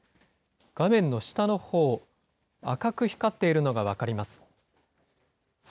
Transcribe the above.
画面の下のほう、赤く光っているのが分かります。